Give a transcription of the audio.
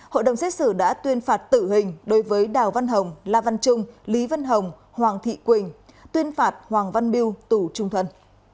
hội đồng xét xử đã tuyên phạt tự hình đối với đào văn hồng la văn trung lý văn hồng hoàng thị quỳnh tuyên phạt hoàng văn bưu tù trung thuận